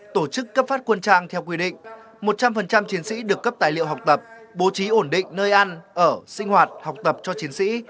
tổ chức cấp phát quân trang theo quy định một trăm linh chiến sĩ được cấp tài liệu học tập bố trí ổn định nơi ăn ở sinh hoạt học tập cho chiến sĩ